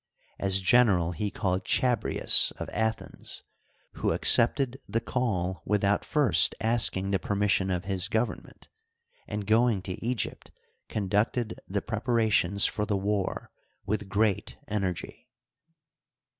As general he called Chabrias, of Athens, who accepted the call with out first asking the permission of his government, and going to Egypt conducted the preparations for the war with great energy.